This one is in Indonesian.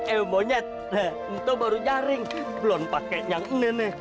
eh monyet ento baru nyaring belum pakai yang ini nih